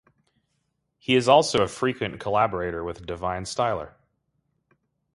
He is also a frequent collaborator with Divine Styler.